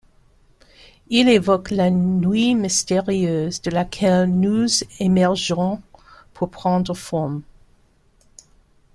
Il évoque la nuit mystérieuse de laquelle nous émergeons pour prendre formes.